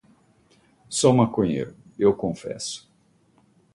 Sou maconheiro, eu confesso